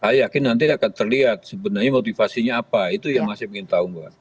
saya yakin nanti akan terlihat sebenarnya motivasinya apa itu yang masih ingin tahu mbak